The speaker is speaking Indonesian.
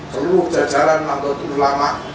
seluruh jajaran nahdlatul ulama